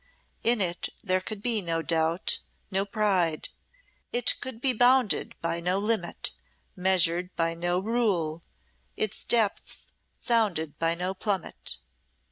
In it there could be no doubt, no pride; it could be bounded by no limit, measured by no rule, its depths sounded by no plummet.